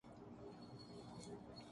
election commission کے خط میں کہا گیا ہے